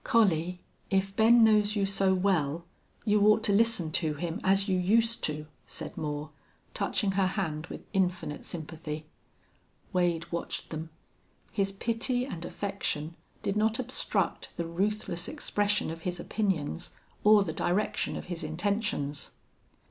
"Collie, if Ben knows you so well, you ought to listen to him, as you used to," said Moore, touching her hand with infinite sympathy. Wade watched them. His pity and affection did not obstruct the ruthless expression of his opinions or the direction of his intentions.